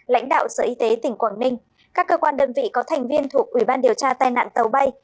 lãnh đạo sở y tế tỉnh quảng ninh các cơ quan đơn vị có thành viên thuộc ủy ban điều tra tai nạn tàu bay